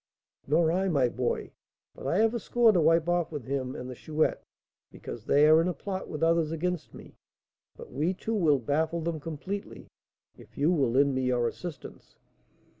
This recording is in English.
"Nor I, my boy; but I have a score to wipe off with him and the Chouette, because they are in a plot with others against me; but we two will baffle them completely, if you will lend me your assistance."